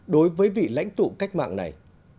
đối với vị lãnh tụ cách mạng này